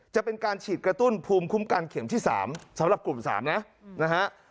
จะเป็นการฉีดกระตุ้นภูมิคุ้มกันเข็มที่๓สำหรับกลุ่ม๓นะนะฮะ